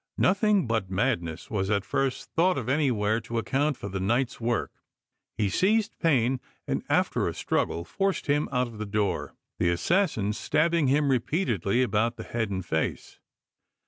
Nothing but madness was at first thought of any where to account for the night's work. He seized Payne, and after a struggle forced him out of the door — the assassin stabbing him repeatedly about the head and face.